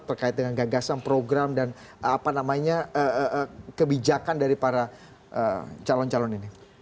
terkait dengan gagasan program dan apa namanya kebijakan dari para calon calon ini